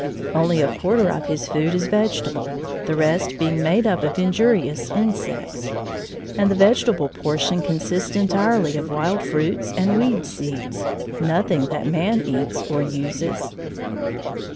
Only a quarter of his food is vegetable, the rest being made up of injurious insects; and the vegetable portion consists entirely of wild fruits and weed seeds, nothing that man eats or uses.